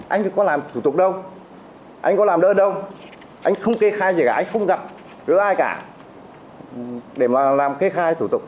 anh thì có làm thủ tục đâu anh có làm đơn đâu anh không kê khai gì cả anh không gặp gỡ ai cả để mà làm kê khai thủ tục